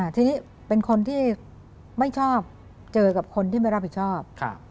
ทีนี้เป็นคนที่ไม่ชอบเจอกับคนที่ไม่รับผิดชอบ